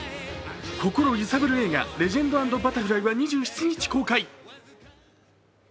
心揺さぶる映画「レジェンド＆バタフライ」は２７日公開。